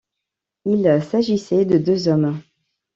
Il s’agissait de deux hommes.